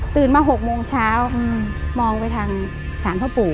ตื่นมา๖โมงเช้ามองไปทางสารทะบุ